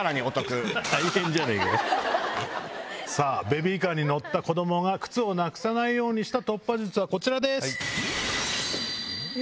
ベビーカーに乗った子供が靴をなくさないようにした突破術はこちらです。